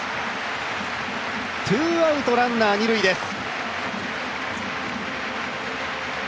ツーアウト、ランナー二塁です。